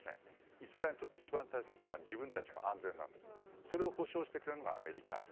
イスラエルにとって一番大切なのは自分たちの安全でそれを保証してくれるのがアメリカ。